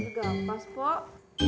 saya juga pas pok